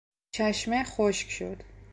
چشمه خشک شد.